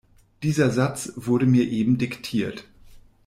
Dieser Satz wurde mir eben diktiert.